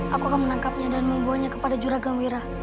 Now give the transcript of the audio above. aku akan menangkapnya dan membawanya kepada juraga wira